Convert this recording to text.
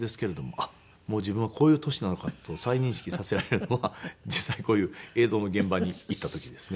あっもう自分はこういう年なのかと再認識させられるのは実際こういう映像の現場に行った時ですね。